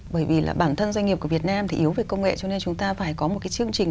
bởi vì là bản thân doanh nghiệp của việt nam thì yếu về công nghệ cho nên chúng ta phải có một cái chương trình